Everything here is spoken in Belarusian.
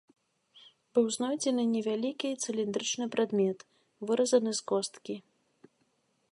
Быў знойдзены невялікі цыліндрычны прадмет, выразаны з косткі.